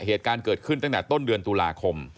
เหตุการณ์เกิดขึ้นตั้งแต่ต้นเดือนตุลาคม